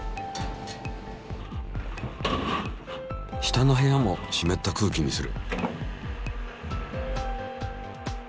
下の部屋もしめった空気にする。